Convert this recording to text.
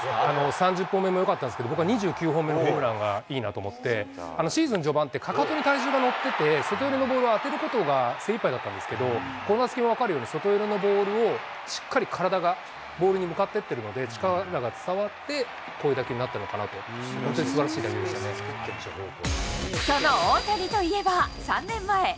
３０本目もよかったんですけど、僕は２９本目のホームランがいいなと思って、シーズン序盤って、かかとに体重がのってて、外寄りのボールを当てることが精いっぱいだったんですけど、この打席でも分かるように、外めのボールをしっかり体がボールに向かっていっているので、じかに伝わって、こういう打球になったのかなと、本当にすばらしその大谷といえば、３年前。